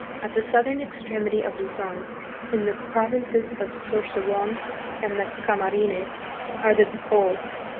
At the southern extremity of Luzon, in the provinces of Sorso gon and the Cama Beit of Rattan, rines, are the Bikols.